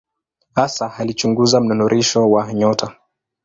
Hasa alichunguza mnururisho wa nyota.